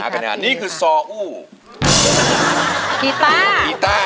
กีต้า